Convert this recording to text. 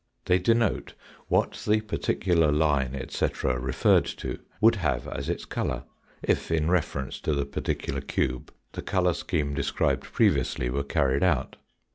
They denote what the particular line, etc., referred to would have as its colour, if in reference to the particular cube the colour scheme described previously were carried out.